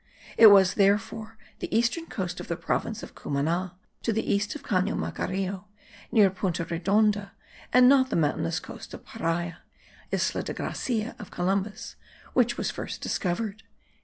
It was, therefore, the eastern coast of the province of Cumana, to the east of the Cano Macareo, near Punta Redonda, and not the mountainous coast of Paria (Isla de Gracia, of Columbus), which was first discovered.)